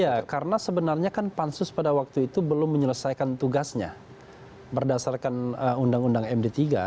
ya karena sebenarnya kan pansus pada waktu itu belum menyelesaikan tugasnya berdasarkan undang undang md tiga